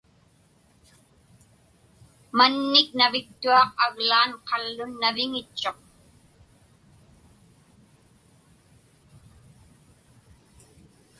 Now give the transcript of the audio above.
Mannik naviktuaq aglaan qallun naviŋitchuq.